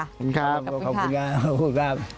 ขอบคุณครับขอบคุณครับขอบคุณครับ